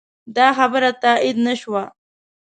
دا خبره تایید نه شوه.